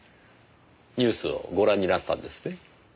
ニュースをご覧になったんですね？